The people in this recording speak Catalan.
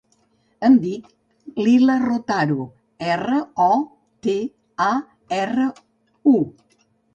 Em dic Lila Rotaru: erra, o, te, a, erra, u.